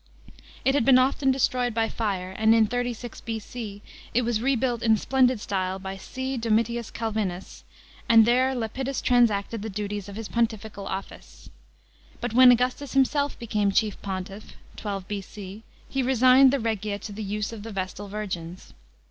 It had been o;ten destroyed by fire, and in 36 B.C. it was rebuilt in splendid style by Cn. Domitius Calvinus, and there Lepidus transacted the duties of his pontifical office. But when Augustus himself became chitf pontiff (12 B.C.), he n si. ned the Reg'a to the use < f the vestal virgins.